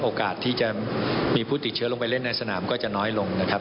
โอกาสที่จะมีผู้ติดเชื้อลงไปเล่นในสนามก็จะน้อยลงนะครับ